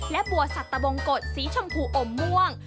และบัวสัตตะบงกฎสีชมพูอมม่วง